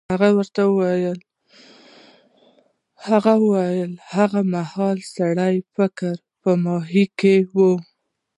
هغه وویل هغه مهال د سړي فکر په ماهي کې وي.